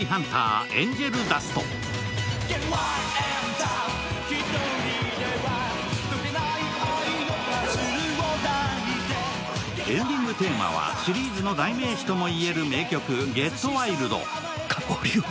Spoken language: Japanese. サントリーセサミンエンディングテーマはシリーズの代名詞とも言える名曲「ＧｅｔＷｉｌｄ」。